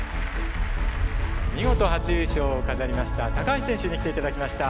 見事初優勝を飾りました橋選手に来て頂きました。